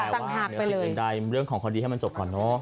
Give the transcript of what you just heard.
แต่ว่าเหนือสิ่งอื่นใดเรื่องของคดีให้มันจบก่อนเนอะ